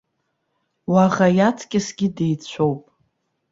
Уаӷа иаҵкысгьы деицәоуп.